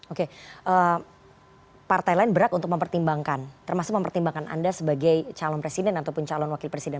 oke partai lain berhak untuk mempertimbangkan termasuk mempertimbangkan anda sebagai calon presiden ataupun calon wakil presiden